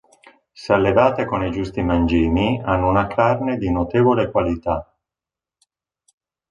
Se allevate con i giusti mangimi, hanno una carne di notevole qualità.